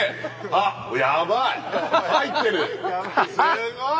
すごい！